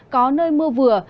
có nơi mưa vừa